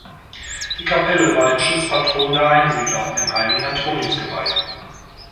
Die Kapelle war dem Schutzpatron der Einsiedler, dem Heiligen Antonius geweiht.